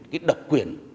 cái độc quyền